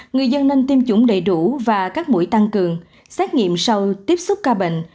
người dân nên tiêm chủng đầy đủ và các mũi tăng cường xét nghiệm sau tiếp xúc ca bệnh